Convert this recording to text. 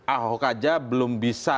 ahokaja belum bisa